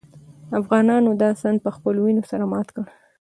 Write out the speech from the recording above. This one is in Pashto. افغانانو دا سند په خپلو وینو سره مات کړ.